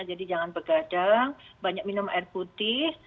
jadi jangan begadang banyak minum air putih